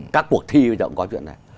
các cuộc thi bây giờ cũng có chuyện này